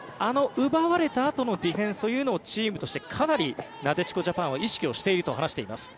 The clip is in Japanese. ディフェンスというのをチームとしてかなりなでしこジャパンは意識していると話しています。